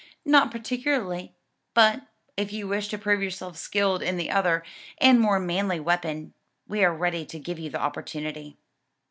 "Not particularly: but if you wish to prove yourself skilled in the other and more manly weapon, we are ready to give you the opportunity."